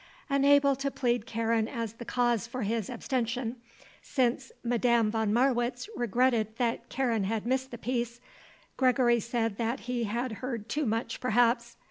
Unable to plead Karen as the cause for his abstention since Madame von Marwitz regretted that Karen had missed the piece, Gregory said that he had heard too much perhaps.